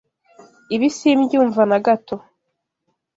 Ibi simbyumva na gato.